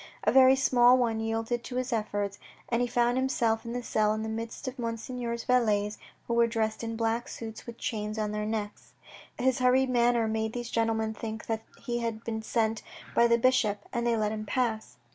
A very small one yielded to his efforts, and he found himself in a cell in the midst of Monseigneur's valets, who were dressed in black suits with chains on their necks. His hurried manner made these gentlemen think that he had been sent by the bishop, and they let him pass.